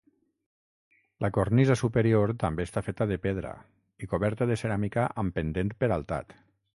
La cornisa superior també està feta de pedra i coberta de ceràmica amb pendent peraltat.